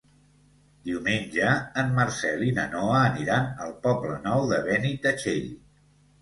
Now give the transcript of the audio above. Diumenge en Marcel i na Noa aniran al Poble Nou de Benitatxell.